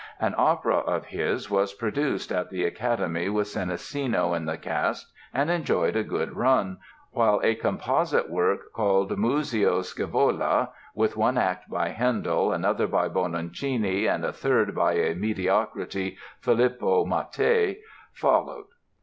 An opera of his was produced at the Academy with Senesino in the cast and enjoyed a good run, while a composite work, called "Muzio Scevola", with one act by Handel, another by Bononcini and a third by a mediocrity, Filippo Mattei, followed.